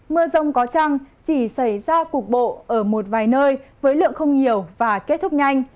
mưa rông có trăng chỉ xảy ra cục bộ ở một vài nơi với lượng không nhiều và kết thúc nhanh